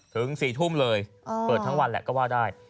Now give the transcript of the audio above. ถึง๔ทุ่มเลยเปิดทั้งวันแหละก็ว่าได้